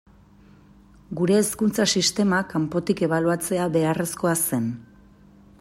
Gure hezkuntza sistema kanpotik ebaluatzea beharrezkoa zen.